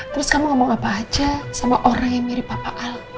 terus kamu ngomong apa aja sama orang yang mirip papa alam